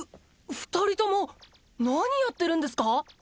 二人とも何やってるんですか？